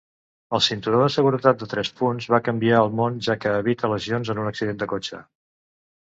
El cinturó de seguretat de tres punts va canviar el món, ja que evita lesions en un accident de cotxe.